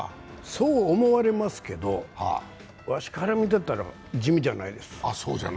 そう思われますけど、わしから見とったら地味じゃないです。